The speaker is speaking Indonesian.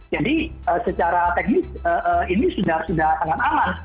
jadi secara teknis ini sudah sangat aman